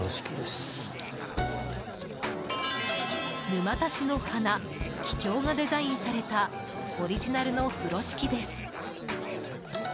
沼田市の花、キキョウがデザインされたオリジナルの風呂敷です。